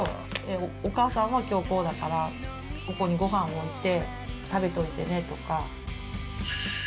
お母さんは今日こうだからここにごはんを置いて食べといてねとか。